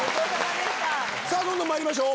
どんどんまいりましょう！